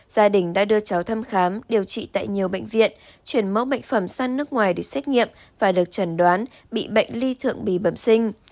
gia đình đã đưa cháu thăm khám điều trị tại nhiều bệnh viện chuyển mẫu bệnh phẩm sang nước ngoài để xét nghiệm và được trần đoán bị bệnh ly thượng bì bẩm sinh